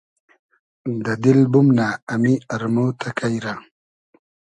دۂ دیل بومنۂ امی ارمۉ تئکݷ رۂ